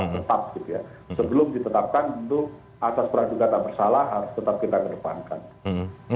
sebelum ditetapkan tentu asas peradugatan bersalah harus tetap kita kedepankan